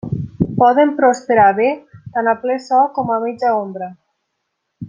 Poden prosperar bé tant a ple sol com a mitja ombra.